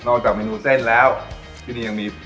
จากเมนูเส้นแล้วที่นี่ยังมี